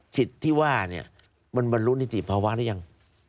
สิทธิ์ที่ว่ามันบรรลุนิติภาวะหรือยัง